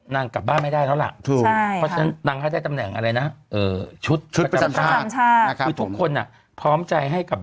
นางกลับบ้านไม่ได้แล้วล่ะ